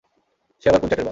সে আবার কোন চ্যাটের বাল?